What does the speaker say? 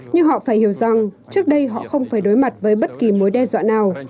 nhưng họ phải hiểu rằng trước đây họ không phải đối mặt với bất kỳ mối đe dọa nào